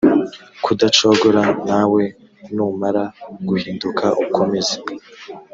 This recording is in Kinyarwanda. kudacogora nawe numara guhinduka ukomeze